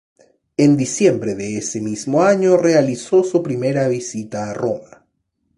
En diciembre de ese mismo año realizó su primera visita a Roma.